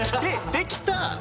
「できた」